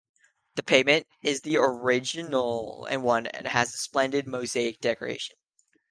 The pavement is the original one and has a splendid mosaic decoration.